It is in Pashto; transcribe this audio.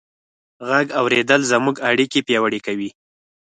غږ اورېدل زموږ اړیکې پیاوړې کوي.